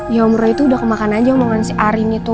ya umroh itu udah kemakan aja omongan si arin itu